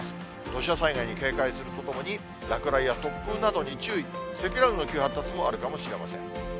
土砂災害に警戒するとともに、落雷や突風などに注意、積乱雲の急発達もあるかもしれません。